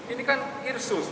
ini kan irsus